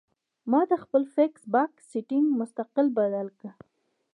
ما د خپل فېس بک سېټنګ مستقل بدل کړۀ